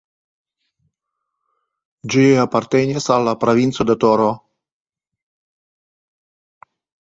Ĝi apartenis al la Provinco de Toro.